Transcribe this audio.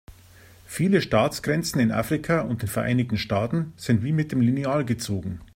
Viele Staatsgrenzen in Afrika und den Vereinigten Staaten sind wie mit dem Lineal gezogen.